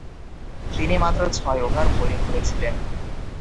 তিনি মাত্র ছয় ওভার বোলিং করেছিলেন।